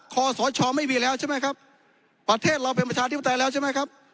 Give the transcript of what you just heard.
คอสชไม่มีแล้วใช่ไหมครับประเทศเราเป็นประชาธิปไตยแล้วใช่ไหมครับ